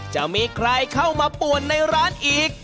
จะมีใครเข้ามาป่วนในร้านอีก